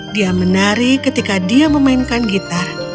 dia menari ketika dia memainkan gitar